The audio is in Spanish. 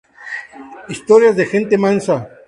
Historias de gente mansa.